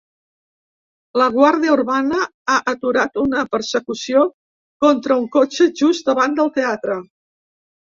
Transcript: La guàrdia urbana ha aturat una persecució contra un cotxe just davant del teatre.